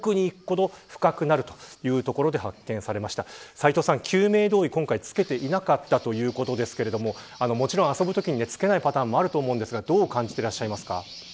斎藤さん、救命胴衣を今回着けていなかったということですがもちろん遊ぶときに着けないパターンもあると思うんですがどう感じていらっしゃいますか。